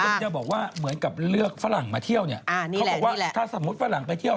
คือคุณก็จะบอกว่าเหมือนกับเลือกฝรั่งมาเที่ยวเนี่ย